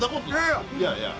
いやいや。